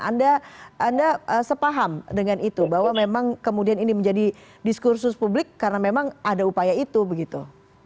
anda sepaham dengan itu bahwa memang kemudian ini menjadi diskursus publik karena memang ada upaya itu begitu